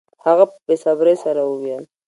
هغه په بې صبرۍ سره وویل